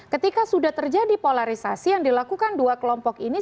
ketika sudah terjadi polarisasi yang dilakukan dua kelompok ini